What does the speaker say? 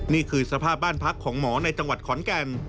นี่คือสภาพบ้านพักของหมอในจังหวัดขอนแก่น